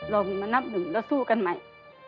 เรามีมานับหนึ่งแล้วสู้กันใหม่